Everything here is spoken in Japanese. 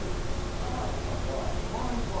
さまぁずさんは。